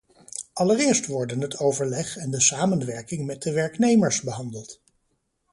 Allereerst worden het overleg en de samenwerking met de werknemers behandeld.